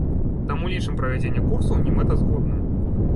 Таму лічым правядзенне курсаў немэтазгодным.